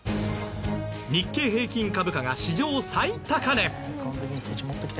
日経平均株価が史上最高値。